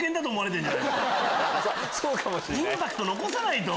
インパクト残さないと！